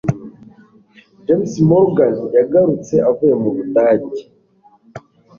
James Morgan, yagarutse avuye mu Budage